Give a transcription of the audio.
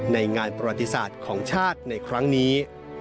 ในงานประวัติศาสตร์ของชาติในครั้งนี้